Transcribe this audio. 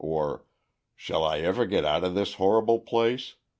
or "Shall I ever get out of this horrible place?"